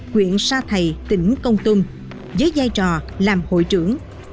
huyện sa thầy tỉnh công tum với giai trò làm hội trưởng